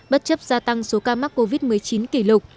bất chấp gia tăng số ca mắc covid một mươi chín kỷ lục